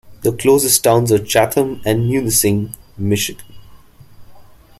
The closest towns are Chatham and Munising, Michigan.